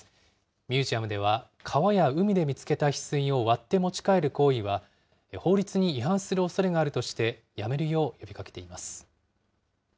ミュージアムでは、川や海で見つけたヒスイを割って持ち帰る行為は、法律に違反するおそれがあるとして、やめるよう呼びかけています。